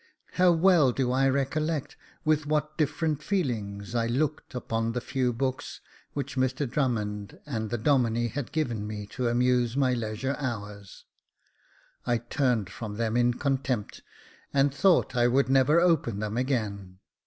How well do I recollect with what different feelings I looked upon the few books which Mr Drummond and the Domine had given me to amuse my leisure hours. I turned from them with contempt, and thought I would never open them again.